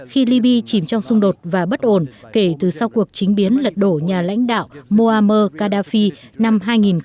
khi libya chìm trong xung đột và bất ổn kể từ sau cuộc chính biến lật đổ nhà lãnh đạo mohamed gaddafi năm hai nghìn một mươi một